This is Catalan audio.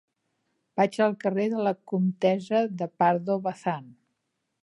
Vaig al carrer de la Comtessa de Pardo Bazán.